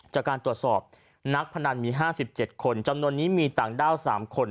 จากการตรวจสอบนักพนันมีห้าสิบเจ็ดคนจำนวนนี้มีต่างด้าวสามคน